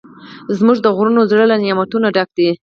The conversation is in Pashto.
زموږ د غرونو زړه له نعمتونو ډک دی.